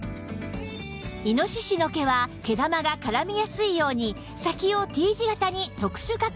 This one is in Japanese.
猪の毛は毛玉が絡みやすいように先を Ｔ 字形に特殊加工し